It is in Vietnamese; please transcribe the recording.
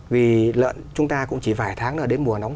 vì lợn chúng ta cũng chỉ vài tháng là đến mùa nóng